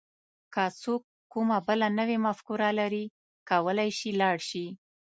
که څوک کومه بله نوې مفکوره لري کولای شي لاړ شي.